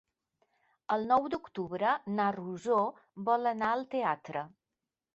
El nou d'octubre na Rosó vol anar al teatre.